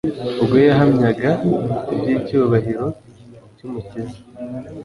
Ubwo yahamyaga iby’icyubahiro cy’Umukiza,